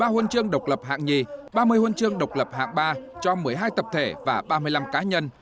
một mươi huân chương độc lập hạng nhì ba mươi huân chương độc lập hạng ba cho một mươi hai tập thể và ba mươi năm cá nhân